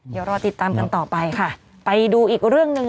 เดี๋ยวรอติดตามกันต่อไปค่ะไปดูอีกเรื่องหนึ่ง